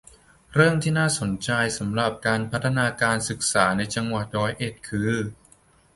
เรื่องที่น่าสนใจสำหรับการพัฒนาการศึกษาในจังหวัดร้อยเอ็ดคือ